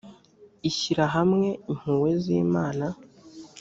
ishyirahamwe impuhwe z imana